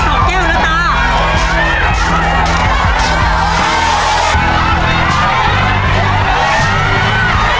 แก้วสุดท้าย